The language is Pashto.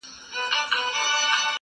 یوه ژبه یې ویل د یوه اېل وه-